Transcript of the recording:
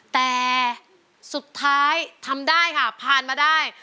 แต่สุดท้ายทำได้ค่ะผ่านมาได้